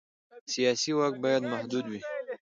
سیاسي واک باید محدود وي